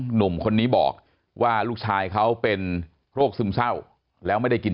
หนุ่มคนนี้บอกว่าลูกชายเขาเป็นโรคซึมเศร้าแล้วไม่ได้กิน